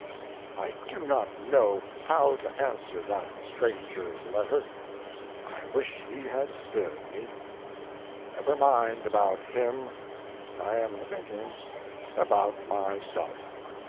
I do not know how to answer that stranger's letter. I wish he had spared me. Never mind about him I am thinking about myself.